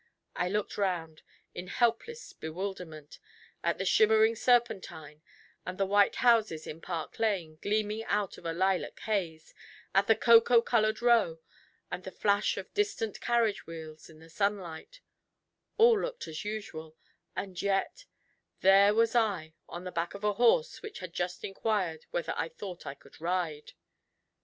I looked round in helpless bewilderment, at the shimmering Serpentine, and the white houses in Park Lane gleaming out of a lilac haze, at the cocoa coloured Row, and the flash of distant carriage wheels in the sunlight: all looked as usual and yet, there was I on the back of a horse which had just inquired 'whether I thought I could ride'!